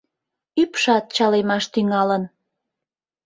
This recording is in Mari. Ӱпшат чалемаш тӱҥалын.